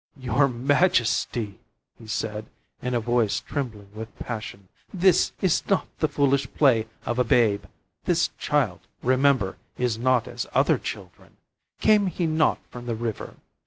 "Your majesty," he said, in a voice trembling with passion, "this is not the foolish play of a babe. This child, remember, is not as other children. Came he not from the river?